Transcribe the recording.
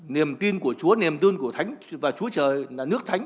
niềm tin của chúa niềm tin của thánh và chúa trời là nước thánh